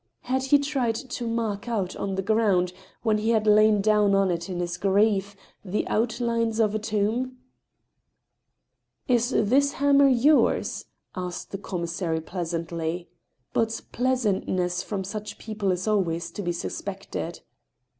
Had he tried to mark out on the ground, when he had lain down on it in his grief, the outlines of a tomb ? "Is this hammer yours?" asked the commissary, pleasantly. But pleasantness from such people is always to be suspected.